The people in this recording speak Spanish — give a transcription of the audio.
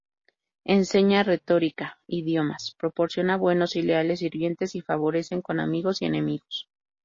Enseña Retórica, idiomas, proporciona buenos y leales sirvientes y favores con amigos y enemigos.